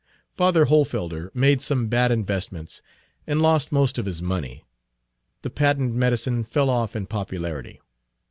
Father Hohlfelder made some bad investments, and lost most of his money. The patent medicine fell off in popularity.